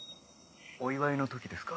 お祝いの時ですか？